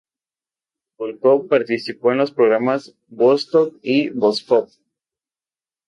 Vólkov participó en los programas Vostok y Vosjod.